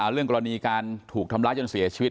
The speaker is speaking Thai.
เรื่องกรณีการถูกทำร้ายจนเสียชีวิต